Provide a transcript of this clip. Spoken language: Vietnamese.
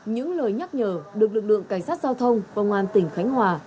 những lời nhắc nhở được lực lượng cảnh sát giao thông công an tỉnh khánh hòa